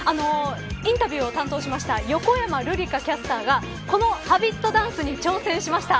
インタビューを担当した横山ルリカキャスターがこのＨａｂｉｔダンスに挑戦しました。